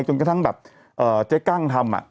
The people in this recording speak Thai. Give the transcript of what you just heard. จนกระทั่งแบบเอ่อใจกล้างทำอะ